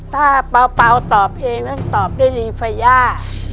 ถ้าเปล่าตอบเองต้องตอบด้วยลิงฟะย่า